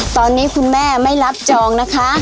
ตอนนี้คุณแม่ไม่รับจองนะคะ